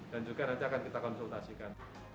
dan juga nanti akan kita konsultasikan